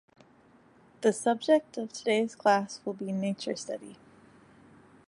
The subject of today's class will be nature study.